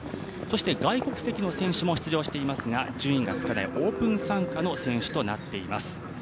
外国籍の選手も出場していますが順位がつかないオープン参加の選手となっています。